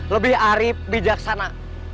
lebih arip bijaksana